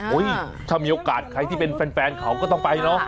ถ้ามีโอกาสใครที่เป็นแฟนเขาก็ต้องไปเนาะ